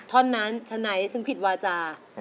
ท่อนนั้นฉะไหนซึ่งผิดวาจา